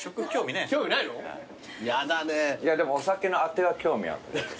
でもお酒のあては興味ある。